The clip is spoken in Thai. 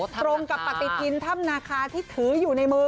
ตรงกับปฏิทินถ้ำนาคาที่ถืออยู่ในมือ